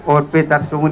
or petar sungguh